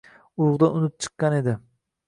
urug‘dan unib chiqqan edi.